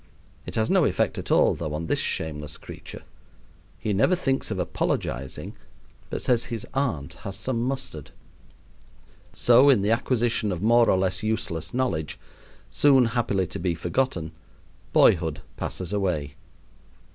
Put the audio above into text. It has no effect at all, though, on this shameless creature. He never thinks of apologizing, but says his aunt has some mustard. So in the acquisition of more or less useless knowledge, soon happily to be forgotten, boyhood passes away.